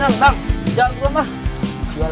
sampai berjalan berjalan berjalan